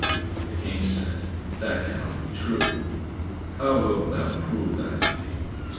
The King said, "That cannot be true! How wilt thou prove that to me?"